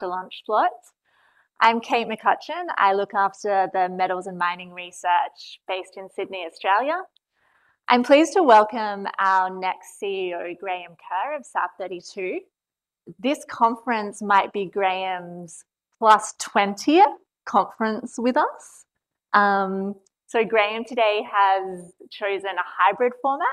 The launch slides. I'm Kate McCutcheon. I look after the Metals and Mining Research based in Sydney, Australia. I'm pleased to welcome our next CEO, Graham Kerr of South32. This conference might be Graham's +20th conference with us. Graham today has chosen a hybrid format.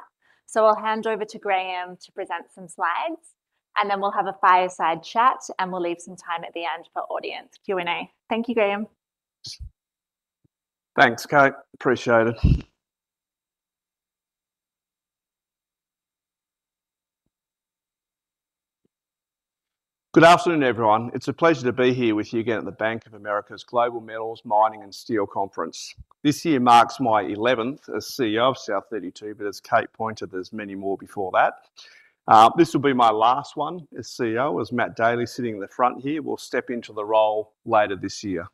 I'll hand over to Graham to present some slides, and then we'll have a fireside chat, and we'll leave some time at the end for audience Q&A. Thank you, Graham. Thanks, Kate. Appreciate it. Good afternoon, everyone. It's a pleasure to be here with you again at the Bank of America's Global Metals, Mining and Steel Conference. This year marks my 11th as CEO of South32, but as Kate pointed, there's many more before that. This will be my last one as CEO, as Matthew Daley, sitting in the front here, will step into the role later this year.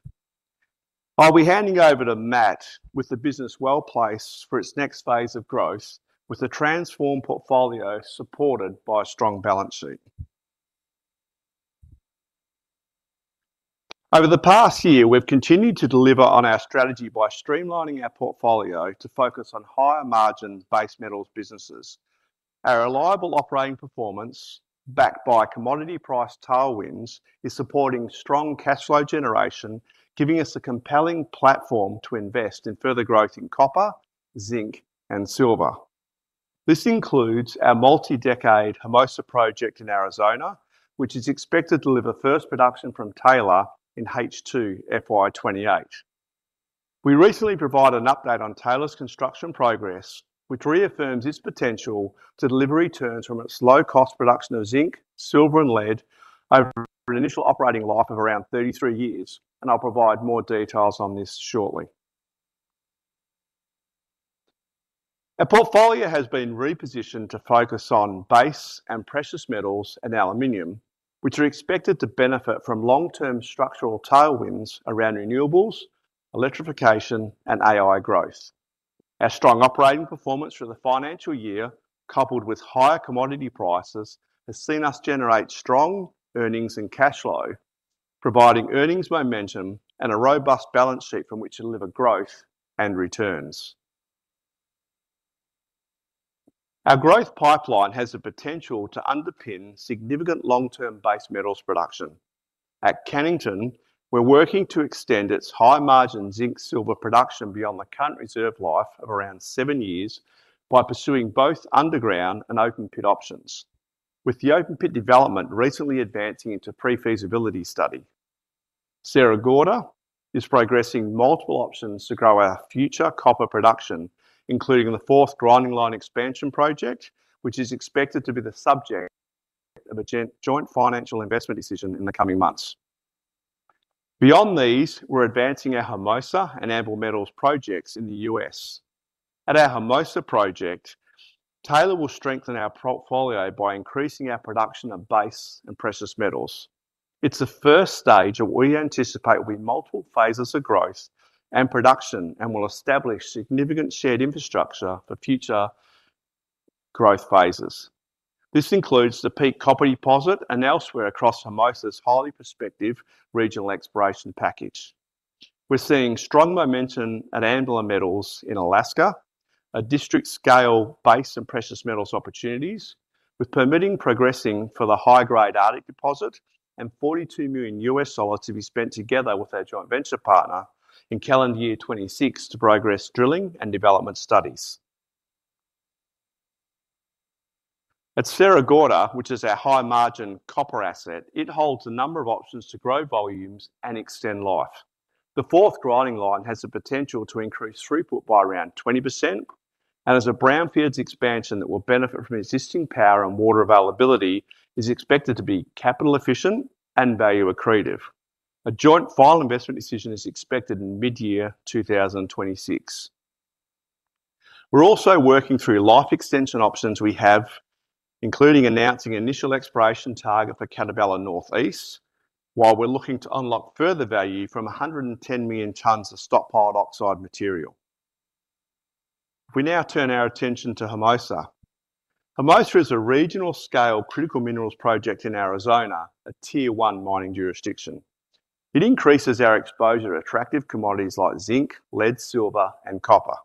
I'll be handing over to Matt with the business well-placed for its next phase of growth, with a transformed portfolio supported by a strong balance sheet. Over the past year, we've continued to deliver on our strategy by streamlining our portfolio to focus on higher margin base metals businesses. Our reliable operating performance, backed by commodity price tailwinds, is supporting strong cash flow generation, giving us a compelling platform to invest in further growth in copper, zinc, and silver. This includes our multi-decade Hermosa project in Arizona, which is expected to deliver first production from Taylor in H2 FY 2028. We recently provided an update on Taylor's construction progress, which reaffirms its potential to deliver returns from its low cost production of zinc, silver, and lead over an initial operating life of around 33 years. I'll provide more details on this shortly. Our portfolio has been repositioned to focus on base and precious metals and aluminum, which are expected to benefit from long-term structural tailwinds around renewables, electrification, and AI growth. Our strong operating performance for the financial year, coupled with higher commodity prices, has seen us generate strong earnings and cash flow, providing earnings momentum and a robust balance sheet from which to deliver growth and returns. Our growth pipeline has the potential to underpin significant long-term base metals production. At Cannington, we're working to extend its high-margin zinc silver production beyond the current reserve life of around seven years by pursuing both underground and open pit options, with the open pit development recently advancing into pre-feasibility study. Sierra Gorda is progressing multiple options to grow our future copper production, including the fourth grinding line expansion project, which is expected to be the subject of a joint financial investment decision in the coming months. Beyond these, we're advancing our Hermosa and Ambler Metals projects in the U.S. At our Hermosa project, Taylor will strengthen our portfolio by increasing our production of base and precious metals. It's the first stage of what we anticipate will be multiple phases of growth and production and will establish significant shared infrastructure for future growth phases. This includes the Peak copper deposit and elsewhere across Hermosa's highly prospective regional exploration package. We're seeing strong momentum at Ambler Metals in Alaska, a district-scale base and precious metals opportunities, with permitting progressing for the high-grade Arctic deposit and $42 million to be spent together with our joint venture partner in calendar year 2026 to progress drilling and development studies. At Sierra Gorda, which is our high-margin copper asset, it holds a number of options to grow volumes and extend life. The fourth grinding line has the potential to increase throughput by around 20% and as a brownfields expansion that will benefit from existing power and water availability, is expected to be capital efficient and value accretive. A joint final investment decision is expected in mid year 2026. We're also working through life extension options we have, including announcing initial exploration target for Catabela Northeast, while we're looking to unlock further value from 110 million tons of stockpiled oxide material. We now turn our attention to Hermosa. Hermosa is a regional-scale critical minerals project in Arizona, a Tier 1 mining jurisdiction. It increases our exposure to attractive commodities like zinc, lead, silver, and copper.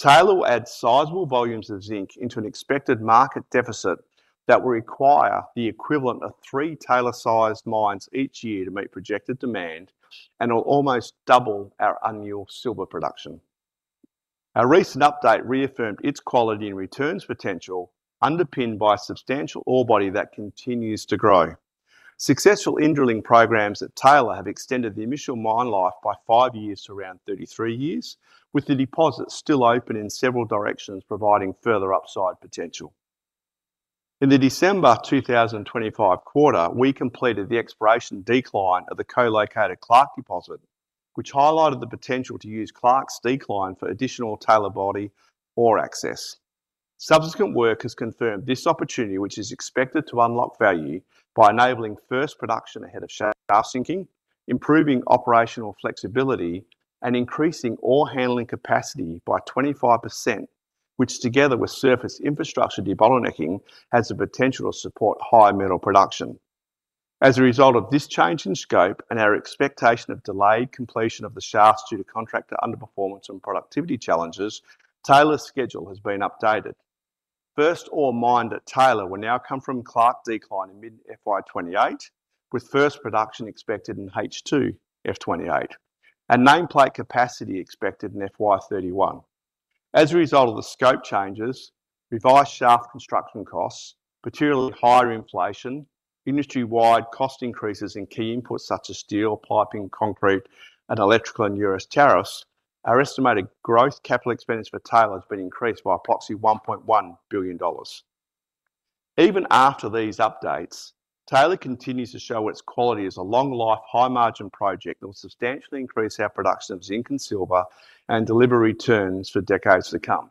Taylor will add sizable volumes of zinc into an expected market deficit that will require the equivalent of three Taylor-sized mines each year to meet projected demand and will almost double our annual silver production. Our recent update reaffirmed its quality and returns potential, underpinned by a substantial ore body that continues to grow. Successful in-drilling programs at Taylor have extended the initial mine life by five years to around 33 years, with the deposit still open in several directions, providing further upside potential. In the December 2025 quarter, we completed the exploration decline of the co-located Clark deposit, which highlighted the potential to use Clark's decline for additional Taylor body ore access. Subsequent work has confirmed this opportunity, which is expected to unlock value by enabling first production ahead of shaft sinking, improving operational flexibility, and increasing ore handling capacity by 25%. Which together with surface infrastructure de-bottlenecking has the potential to support high metal production. As a result of this change in scope and our expectation of delayed completion of the shafts due to contractor underperformance and productivity challenges, Taylor's schedule has been updated. First ore mined at Taylor will now come from Clark Decline in mid FY 2028, with first production expected in H2 FY 2028 and nameplate capacity expected in FY 2031. As a result of the scope changes, revised shaft construction costs, materially higher inflation, industry-wide cost increases in key inputs such as steel, piping, concrete, and electrical and U.S. tariffs, our estimated gross capital expense for Taylor has been increased by approximately $1.1 billion. Even after these updates, Taylor continues to show its quality as a long life, high margin project that will substantially increase our production of zinc and silver and deliver returns for decades to come.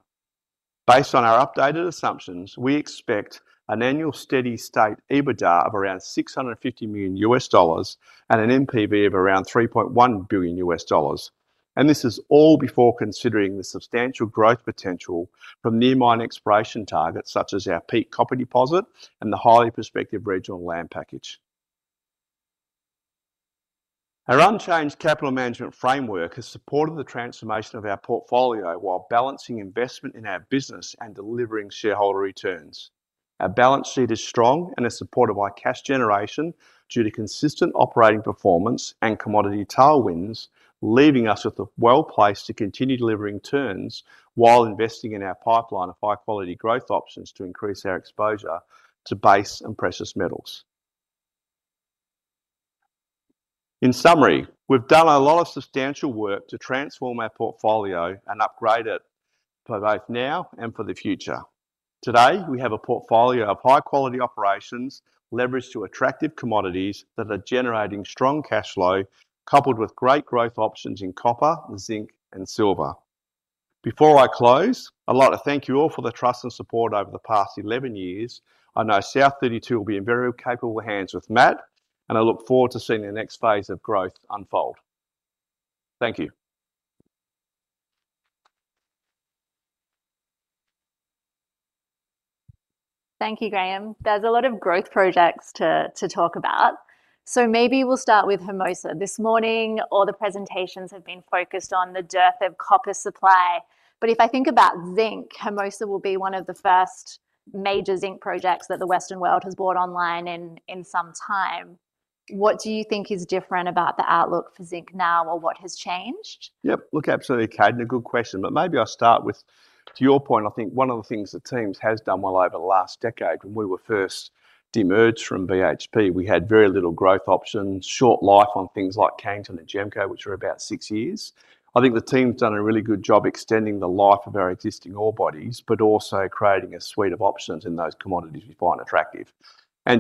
Based on our updated assumptions, we expect an annual steady state EBITDA of around $650 million and an NPV of around $3.1 billion. This is all before considering the substantial growth potential from near mine exploration targets such as our Peak copper deposit and the highly prospective regional land package. Our unchanged capital management framework has supported the transformation of our portfolio while balancing investment in our business and delivering shareholder returns. Our balance sheet is strong and is supported by cash generation due to consistent operating performance and commodity tailwinds, leaving us with well-placed to continue delivering returns while investing in our pipeline of high-quality growth options to increase our exposure to base and precious metals. In summary, we've done a lot of substantial work to transform our portfolio and upgrade it for both now and for the future. Today, we have a portfolio of high-quality operations leveraged to attractive commodities that are generating strong cash flow coupled with great growth options in copper, zinc and silver. Before I close, I'd like to thank you all for the trust and support over the past 11 years. I know South32 will be in very capable hands with Matt, and I look forward to seeing the next phase of growth unfold. Thank you. Thank you, Graham. There's a lot of growth projects to talk about. Maybe we'll start with Hermosa. This morning, all the presentations have been focused on the dearth of copper supply. If I think about zinc, Hermosa will be one of the first major zinc projects that the Western world has brought online in some time. What do you think is different about the outlook for zinc now or what has changed? Yep. Look, absolutely, Kate. A good question. Maybe I'll start with, to your point, I think one of the things the teams has done well over the last decade, when we were first demerged from BHP, we had very little growth options, short life on things like Cannington and GEMCO, which are about six years. I think the team's done a really good job extending the life of our existing ore bodies, but also creating a suite of options in those commodities we find attractive.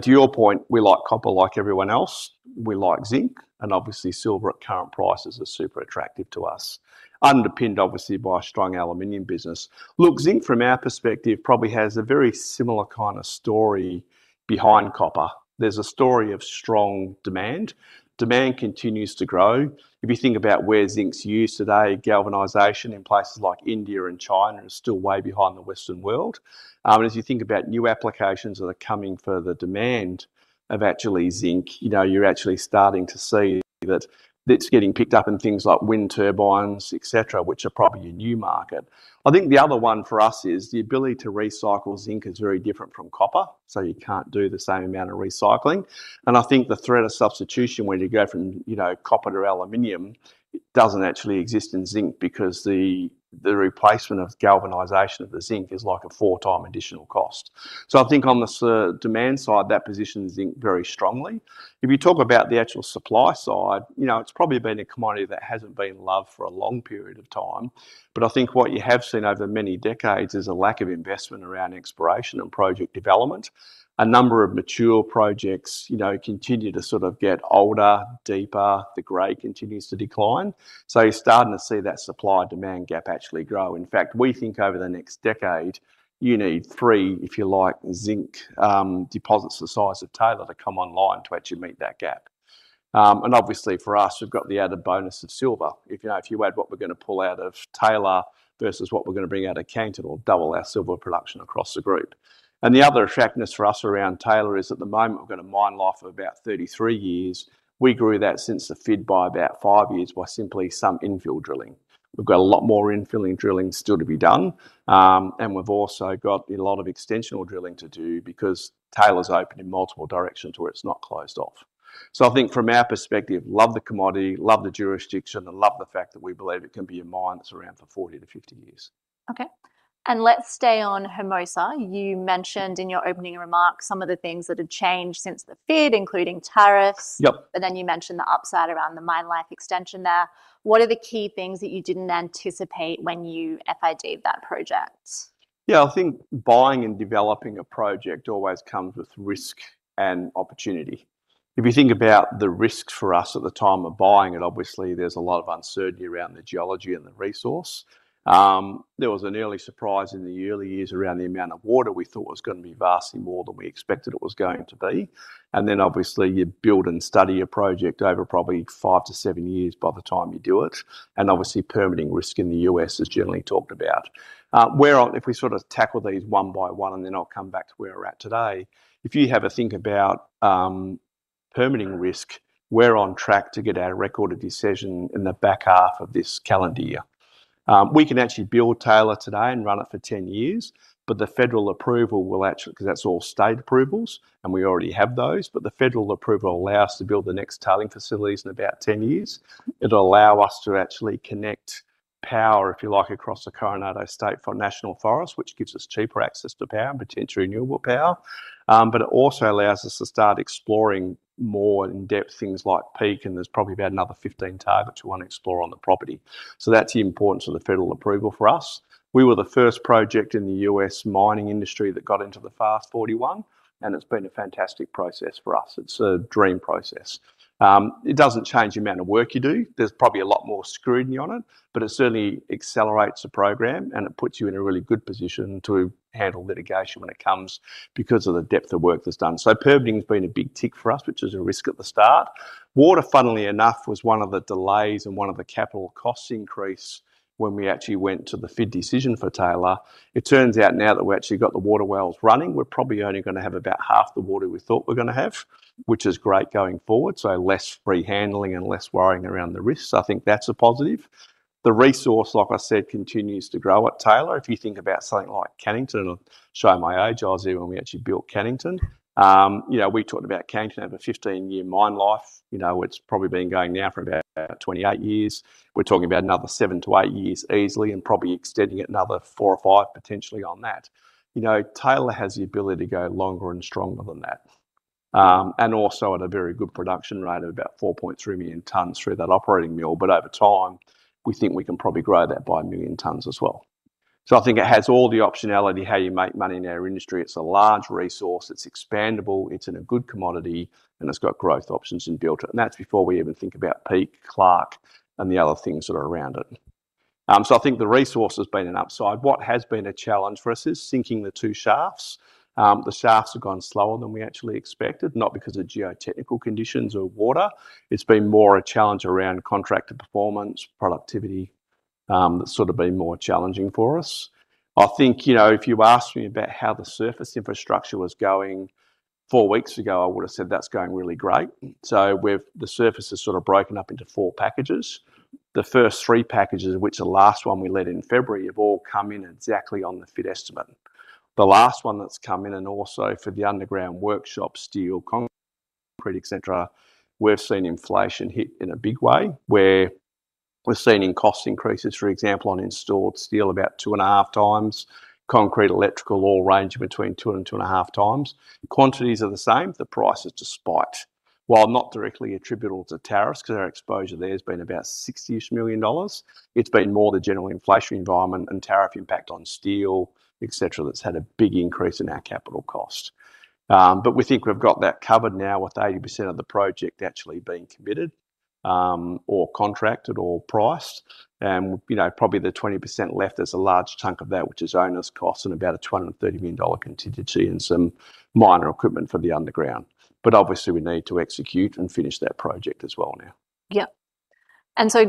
To your point, we like copper like everyone else. We like zinc, and obviously silver at current prices are super attractive to us. Underpinned, obviously, by a strong aluminum business. Look, zinc from our perspective, probably has a very similar kind of story behind copper. There's a story of strong demand. Demand continues to grow. If you think about where zinc's used today, galvanization in places like India and China is still way behind the Western world. As you think about new applications that are coming for the demand of actually zinc, you know, you're actually starting to see that it's getting picked up in things like wind turbines, et cetera, which are probably a new market. I think the other one for us is the ability to recycle zinc is very different from copper, so you can't do the same amount of recycling. I think the threat of substitution when you go from, you know, copper to aluminum, it doesn't actually exist in zinc because the replacement of galvanization of the zinc is like a 4x additional cost. I think on the demand side, that positions zinc very strongly. If you talk about the actual supply side, you know, it's probably been a commodity that hasn't been loved for a long period of time. I think what you have seen over many decades is a lack of investment around exploration and project development. A number of mature projects, you know, continue to sort of get older, deeper, the grade continues to decline. You're starting to see that supply-demand gap actually grow. In fact, we think over the next decade, you need three, if you like, zinc deposits the size of Taylor to come online to actually meet that gap. Obviously for us, we've got the added bonus of silver. If, you know, if you add what we're gonna pull out of Taylor versus what we're gonna bring out of Cannington, it'll double our silver production across the group. The other attractiveness for us around Taylor is at the moment, we've got a mine life of about 33 years. We grew that since the FID by about five years by simply some infill drilling. We've got a lot more infilling drilling still to be done. We've also got a lot of extensional drilling to do because Taylor's open in multiple directions where it's not closed off. I think from our perspective, love the commodity, love the jurisdiction, and love the fact that we believe it can be a mine that's around for 40-50 years. Okay. Let's stay on Hermosa. You mentioned in your opening remarks some of the things that have changed since the FID, including tariffs. Yep. You mentioned the upside around the mine life extension there. What are the key things that you didn't anticipate when you FID that project? Yeah, I think buying and developing a project always comes with risk and opportunity. If you think about the risks for us at the time of buying it, obviously there's a lot of uncertainty around the geology and the resource. There was an early surprise in the early years around the amount of water we thought was gonna be vastly more than we expected it was going to be. Obviously you build and study a project over probably five to seven years by the time you do it. Permitting risk in the U.S. is generally talked about. If we sort of tackle these one by one and then I'll come back to where we're at today. If you have a think about permitting risk, we're on track to get our recorded decision in the back half of this calendar year. We can actually build Taylor today and run it for 10 years. Cause that's all state approvals, and we already have those. The federal approval will allow us to build the next tailing facilities in about 10 years. It'll allow us to actually connect power, if you like, across the Coronado National Forest, which gives us cheaper access to power and potentially renewable power. It also allows us to start exploring more in-depth things like peak, and there's probably about another 15 targets we wanna explore on the property. That's the importance of the federal approval for us. We were the first project in the U.S. mining industry that got into the FAST-41, and it's been a fantastic process for us. It's a dream process. It doesn't change the amount of work you do. There's probably a lot more scrutiny on it, but it certainly accelerates the program, and it puts you in a really good position to handle litigation when it comes because of the depth of work that's done. Permitting has been a big tick for us, which is a risk at the start. Water, funnily enough, was one of the delays and one of the capital costs increase when we actually went to the FID decision for Taylor. It turns out now that we actually got the water wells running, we're probably only going to have about half the water we thought we're going to have, which is great going forward, so less free handling and less worrying around the risks. I think that's a positive. The resource, like I said, continues to grow at Taylor. If you think about something like Cannington, I'll show my age. I was there when we actually built Cannington. You know, we talked about Cannington have a 15-year mine life. You know, it's probably been going now for about 28 years. We're talking about another seven to eight years easily and probably extending it another four or five potentially on that. You know, Taylor has the ability to go longer and stronger than that. Also at a very good production rate of about 4.3 million tons through that operating mill. Over time, we think we can probably grow that by 1 million tons as well. I think it has all the optionality how you make money in our industry. It's a large resource, it's expandable, it's in a good commodity, and it's got growth options in built. That's before we even think about Peak, Clark and the other things that are around it. I think the resource has been an upside. What has been a challenge for us is sinking the two shafts. The shafts have gone slower than we actually expected, not because of geotechnical conditions or water. It's been more a challenge around contractor performance, productivity, that's sort of been more challenging for us. I think, you know, if you asked me about how the surface infrastructure was going four weeks ago, I would have said that's going really great. The surface is sort of broken up into four packages. The first three packages, which the last one we led in February, have all come in exactly on the FID estimate. The last one that's come in, and also for the underground workshop, steel, concrete, et cetera, we've seen inflation hit in a big way, where we're seeing cost increases, for example, on installed steel about 2.5x. Concrete, electrical, all range between 2-2.5x. Quantities are the same. The price has just spiked. While not directly attributable to tariffs, 'cause our exposure there has been about $60 million, it's been more the general inflation environment and tariff impact on steel, et cetera, that's had a big increase in our capital cost. We think we've got that covered now with 80% of the project actually being committed, or contracted or priced. You know, probably the 20% left, there's a large chunk of that which is owner's cost and about a $230 million contingency and some minor equipment for the underground. Obviously we need to execute and finish that project as well now. Yep.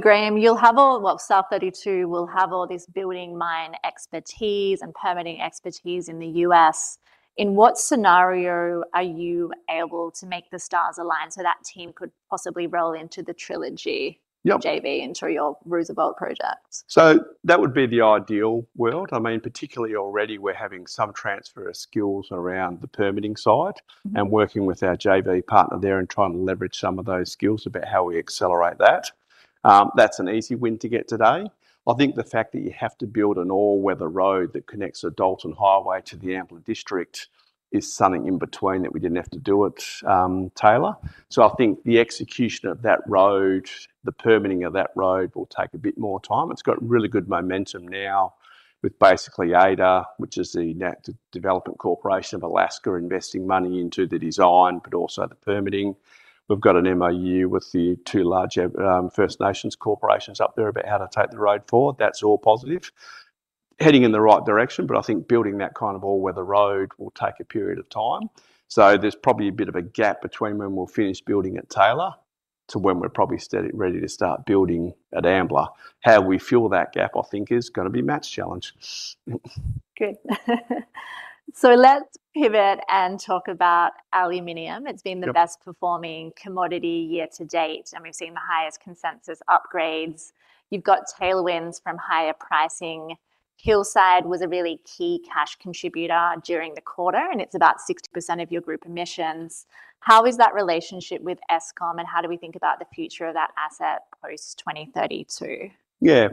Graham, well, South32 will have all this building mine expertise and permitting expertise in the U.S. In what scenario are you able to make the stars align so that team could possibly roll into the Trilogy. Yep JV, into your Hermosa project? That would be the ideal world. I mean, particularly already, we are having some transfer of skills around the permitting side. Working with our JV partner there and trying to leverage some of those skills about how we accelerate that. That's an easy win to get today. I think the fact that you have to build an all-weather road that connects the Dalton Highway to the Ambler District is something in between that we didn't have to do at Taylor. I think the execution of that road, the permitting of that road will take a bit more time. It's got really good momentum now with basically AIDEA, which is the Development Corporation of Alaska, investing money into the design but also the permitting. We've got an MOU with the two large First Nations corporations up there about how to take the road forward. That's all positive. Heading in the right direction, I think building that kind of all-weather road will take a period of time. There's probably a bit of a gap between when we'll finish building at Taylor to when we're probably ready to start building at Ambler. How we fuel that gap, I think, is gonna be Matthew's challenge. Good. Let's pivot and talk about aluminum. Yep. It's been the best performing commodity year to date, and we've seen the highest consensus upgrades. You've got tailwinds from higher pricing. Hillside was a really key cash contributor during the quarter, and it's about 60% of your group emissions. How is that relationship with Eskom, and how do we think about the future of that asset post-2032?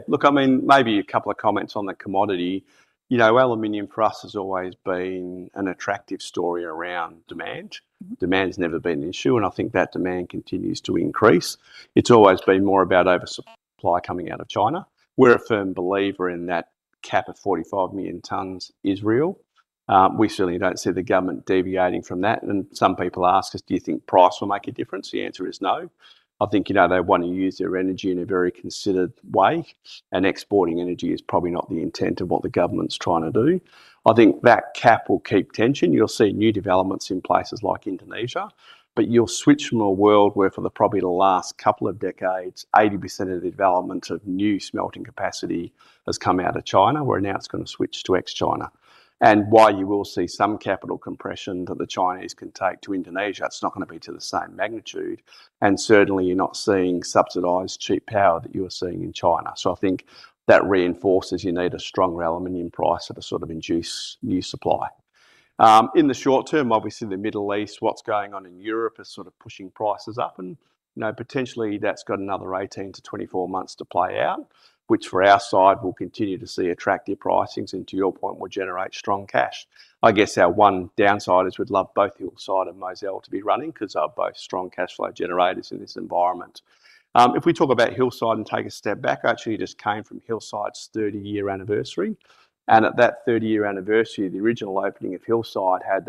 Look, I mean, maybe a couple of comments on the commodity. You know, aluminum for us has always been an attractive story around demand. Demand's never been an issue, and I think that demand continues to increase. It's always been more about oversupply coming out of China. We're a firm believer in that cap of 45 million tons is real. We certainly don't see the government deviating from that. Some people ask us, "Do you think price will make a difference?" The answer is no. I think, you know, they wanna use their energy in a very considered way, and exporting energy is probably not the intent of what the government's trying to do. I think that cap will keep tension. You'll see new developments in places like Indonesia. You'll switch from a world where for the probably the last couple of decades, 80% of the development of new smelting capacity has come out of China, where now it's gonna switch to ex-China. While you will see some capital compression that the Chinese can take to Indonesia, it's not gonna be to the same magnitude, and certainly you're not seeing subsidized cheap power that you are seeing in China. I think that reinforces you need a stronger aluminum price to sort of induce new supply. In the short term, obviously the Middle East, what's going on in Europe is sort of pushing prices up and, you know, potentially that's got another 18-24 months to play out, which for our side will continue to see attractive pricings, and to your point, will generate strong cash. I guess our one downside is we'd love both Hillside and Mozal to be running, 'cause they are both strong cash flow generators in this environment. If we talk about Hillside and take a step back, I actually just came from Hillside's 30-year anniversary. At that 30-year anniversary, the original opening of Hillside had,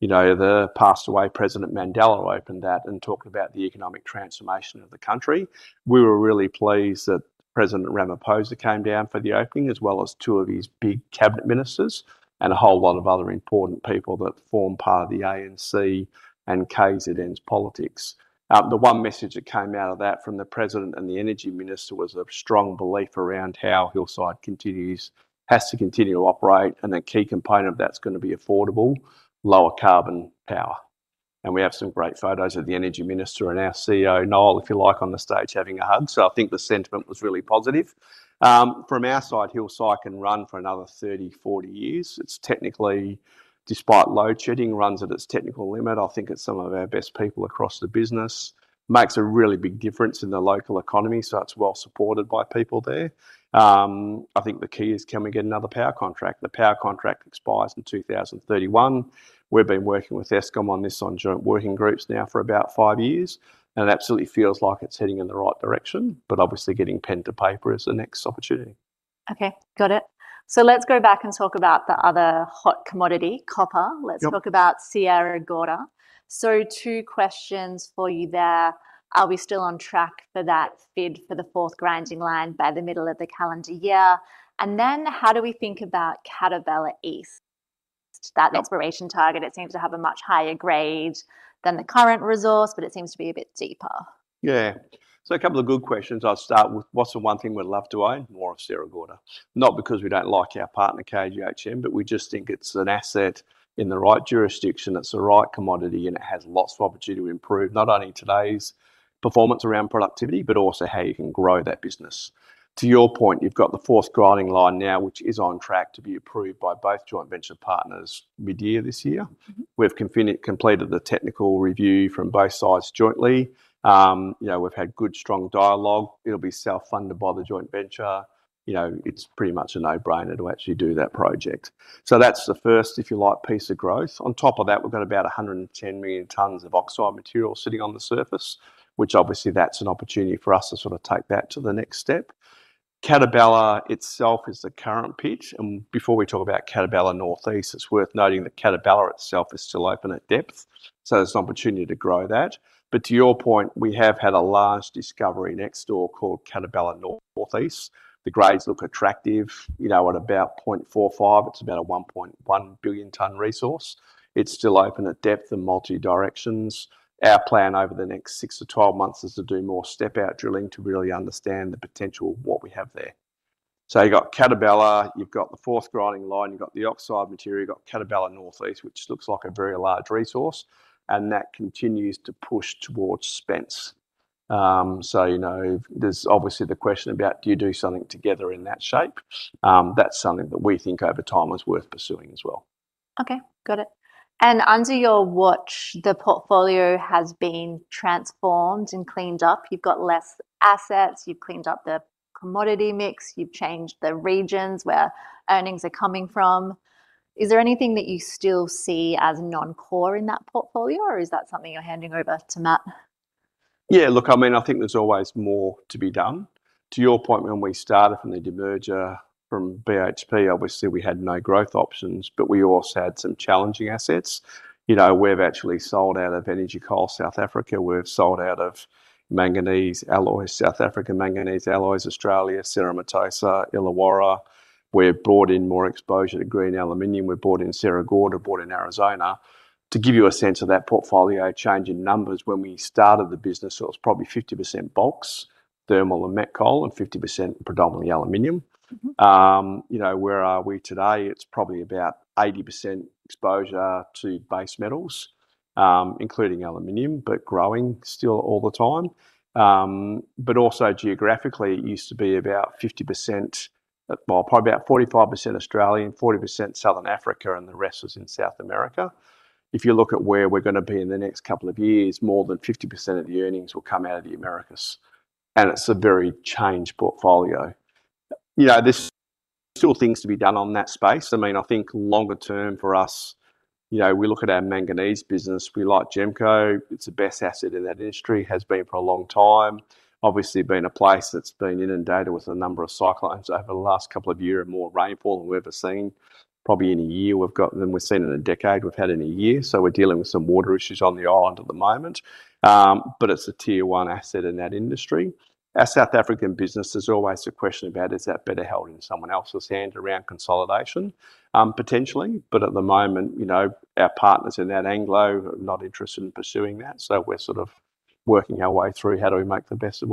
you know, the passed away President Mandela opened that and talked about the economic transformation of the country. We were really pleased that President Ramaphosa came down for the opening, as well as two of his big cabinet ministers and a whole lot of other important people that form part of the ANC and KZN's politics. The one message that came out of that from the president and the energy minister was a strong belief around how Hillside has to continue to operate, and a key component of that's gonna be affordable, lower carbon power. We have some great photos of the energy minister and our CEO, Noel, if you like, on the stage having a hug. I think the sentiment was really positive. From our side, Hillside can run for another 30, 40 years. It's technically, despite load shedding, runs at its technical limit. I think it's some of our best people across the business. Makes a really big difference in the local economy, so it's well supported by people there. I think the key is can we get another power contract? The power contract expires in 2031. We've been working with Eskom on this on joint working groups now for about five years. It absolutely feels like it's heading in the right direction, but obviously getting pen to paper is the next opportunity. Okay, got it. Let's go back and talk about the other hot commodity, copper. Yep. Let's talk about Sierra Gorda. Two questions for you there. Are we still on track for that FID for the fourth grinding line by the middle of the calendar year? How do we think about Catabela Northeast? That exploration target, it seems to have a much higher grade than the current resource, but it seems to be a bit deeper. Yeah. A couple of good questions. I'll start with, what's the one thing we'd love to own? More of Sierra Gorda. Not because we don't like our partner, KGHM, but we just think it's an asset in the right jurisdiction, it's the right commodity, and it has lots of opportunity to improve not only today's performance around productivity, but also how you can grow that business. To your point, you've got the fourth grinding line now, which is on track to be approved by both joint venture partners mid-year this year. We've completed the technical review from both sides jointly. You know, we've had good, strong dialogue. It'll be self-funded by the joint venture. You know, it's pretty much a no-brainer to actually do that project. That's the first, if you like, piece of growth. On top of that, we've got about 110 million tons of oxide material sitting on the surface, which obviously that's an opportunity for us to sort of take that to the next step. Catabela itself is the current pitch. Before we talk about Catabela Northeast, it's worth noting that Catabela itself is still open at depth, so there's an opportunity to grow that. To your point, we have had a large discovery next door called Catabela Northeast. The grades look attractive. You know, at about 0.45, it's about a 1.1 billion ton resource. It's still open at depth in multi-directions. Our plan over the next 6-12 months is to do more step-out drilling to really understand the potential of what we have there. You got Catabela, you've got the fourth grinding line, you've got the oxide material, you've got Catabela Northeast, which looks like a very large resource, and that continues to push towards Spence. You know, there's obviously the question about do you do something together in that shape? That's something that we think over time is worth pursuing as well. Okay, got it. Under your watch, the portfolio has been transformed and cleaned up. You've got less assets, you've cleaned up the commodity mix, you've changed the regions where earnings are coming from. Is there anything that you still see as non-core in that portfolio, or is that something you're handing over to Matthew? Yeah, look, I mean, I think there's always more to be done. To your point, when we started from the demerger from BHP, obviously we had no growth options, but we also had some challenging assets. You know, we've actually sold out of South Africa Energy Coal, we've sold out of South Africa Manganese, Australia Manganese, Cerro Matoso, Illawarra. We've brought in more exposure to green aluminum. We've brought in Sierra Gorda, brought in Hermosa. To give you a sense of that portfolio change in numbers, when we started the business, it was probably 50% box, thermal and met coal, and 50% predominantly aluminum. You know, where are we today? It's probably about 80% exposure to base metals, including aluminum, but growing still all the time. Also geographically, it used to be about 50%, well, probably about 45% Australian, 40% Southern Africa, and the rest was in South America. If you look at where we're gonna be in the next couple of years, more than 50% of the earnings will come out of the Americas, and it's a very changed portfolio. You know, there's still things to be done on that space. I mean, I think longer term for us, you know, we look at our manganese business. We like GEMCO. It's the best asset in that industry. Has been for a long time. Been a place that's been inundated with a number of cyclones over the last couple of years and more rainfall than we've ever seen probably in a year, than we've seen in a decade, we've had in a year. We're dealing with some water issues on the island at the moment. It's a Tier 1 asset in that industry. Our South African business, there's always the question about is that better held in someone else's hand around consolidation? Potentially. At the moment, you know, our partners in that Anglo are not interested in pursuing that. We're sort of working our way through how do we make most of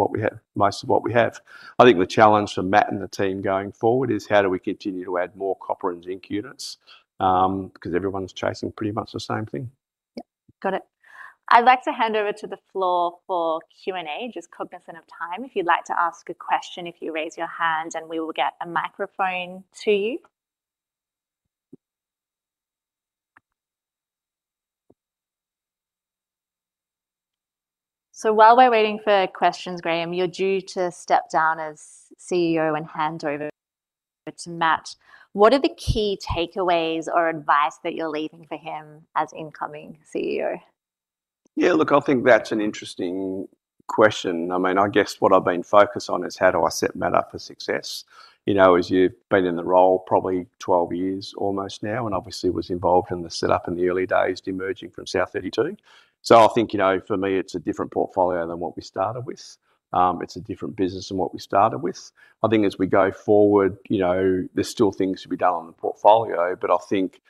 what we have. I think the challenge for Matt and the team going forward is how do we continue to add more copper and zinc units, because everyone's chasing pretty much the same thing. Yep. Got it. I'd like to hand over to the floor for Q&A, just cognizant of time. If you'd like to ask a question, if you raise your hand and we will get a microphone to you. While we're waiting for questions, Graham, you're due to step down as CEO and hand over to Matt. What are the key takeaways or advice that you're leaving for him as incoming CEO? Yeah, look, I think that's an interesting question. I mean, I guess what I've been focused on is how do I set Matt up for success. You know, as you've been in the role probably 12 years almost now, and obviously was involved in the setup in the early days demerging from South32. I think, you know, for me, it's a different portfolio than what we started with. It's a different business than what we started with. I think as we go forward, you know, there's still things to be done on the portfolio, but I think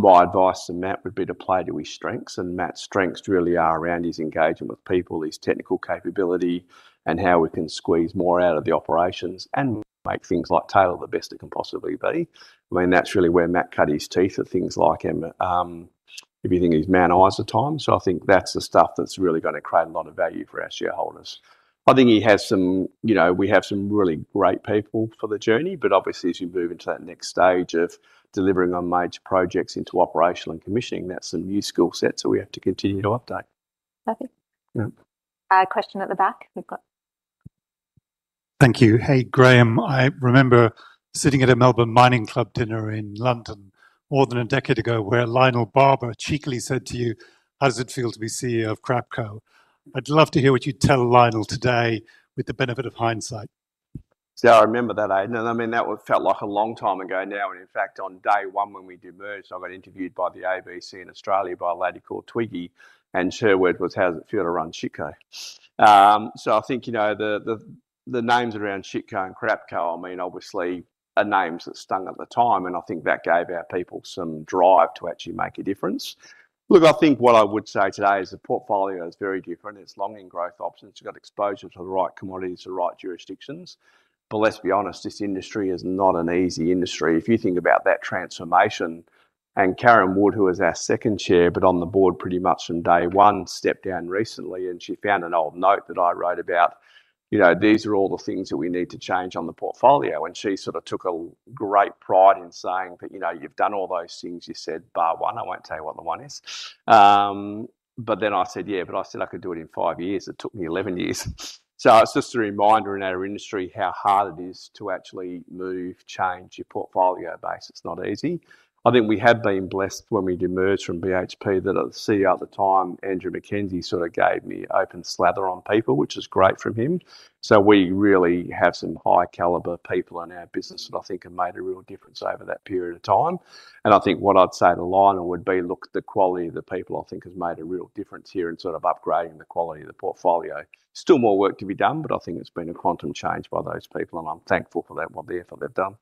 my advice to Matt would be to play to his strengths. Matt's strengths really are around his engagement with people, his technical capability, and how we can squeeze more out of the operations and make things like Taylor the best it can possibly be. I mean, that's really where Matt cut his teeth at things like everything is man hours at times. I think that's the stuff that's really gonna create a lot of value for our shareholders. I think, you know, we have some really great people for the journey. Obviously as you move into that next stage of delivering on major projects into operational and commissioning, that's some new skill sets that we have to continue to update. Perfect. Yeah. A question at the back we've got. Thank you. Hey, Graham. I remember sitting at a Melbourne Mining Club dinner in London more than one decade ago, where Lionel Barber cheekily said to you, "How does it feel to be CEO of Crapco?" I'd love to hear what you'd tell Lionel today with the benefit of hindsight. See, I remember that. I mean, that one felt like a long time ago now. In fact, on day one when we demerged, I got interviewed by the ABC in Australia by a lady called Ticky Fullerton, and her word was, "How does it feel to run Shitco?" I think, you know, the names around Shitco and Crapco, I mean, obviously are names that stung at the time, and I think that gave our people some drive to actually make a difference. Look, I think what I would say today is the portfolio is very different. It's long in growth options. You got exposure to the right commodities, the right jurisdictions. Let's be honest, this industry is not an easy industry. If you think about that transformation, Karen Wood, who was our second Chair, but on the board pretty much from day one, stepped down recently and she found an old note that I wrote about, you know, these are all the things that we need to change on the portfolio. She sort of took a great pride in saying that, you know, you've done all those things you said, bar one. I won't tell you what the one is. I said, yeah, but I said I could do it in five years. It took me 11 years. It's just a reminder in our industry how hard it is to actually move, change your portfolio base. It's not easy. I think we have been blessed when we demerged from BHP that the CEO at the time, Andrew Mackenzie, sort of gave me open slather on people, which is great from him. We really have some high caliber people in our business that I think have made a real difference over that period of time. I think what I'd say to Lionel would be, look, the quality of the people, I think, has made a real difference here in sort of upgrading the quality of the portfolio. Still more work to be done, but I think it's been a quantum change by those people, and I'm thankful for that, what the effort they've done.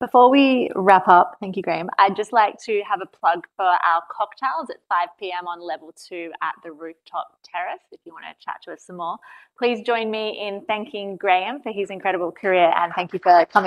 Before we wrap up, thank you, Graham Kerr, I'd just like to have a plug for our cocktails at 5:00 P.M. on level 2 at the rooftop terrace, if you wanna chat to us some more. Please join me in thanking Graham Kerr for his incredible career. Thank you for coming.